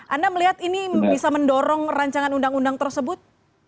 anda melihat ini bisa mendorong rancangan undang undang tersebut